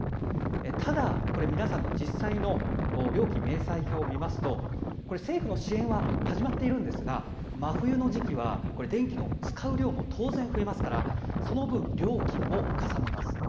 ただ、皆さんの実際の料金、明細表を見ますと政府の支援は始まっているんですが真冬の時期は電気を使う量も当然、増えますからその分、料金もかさみます。